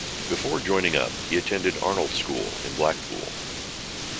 Before joining up, he attended Arnold School in Blackpool.